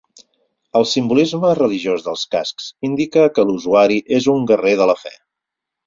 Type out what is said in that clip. El simbolisme religiós dels cascs indica que l'usuari és un guerrer de la fe.